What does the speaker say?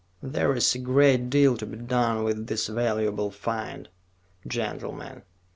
There is a great deal to be done with this valuable find, gentlemen.